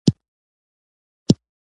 هنر ژوند ښایسته کوي